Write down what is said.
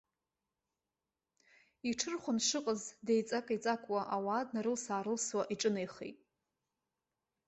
Иҽырхәан дшыҟаз, деиҵакы-еиҵакуа, ауаа днарылс-аарылсуа иҿынеихеит.